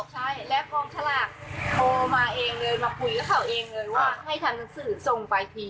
ใช่และกองสลากโทรมาเองเลยมาคุยกับเขาเองเลยว่าให้ทำหนังสือส่งไปที